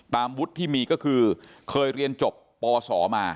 วุฒิที่มีก็คือเคยเรียนจบปศมา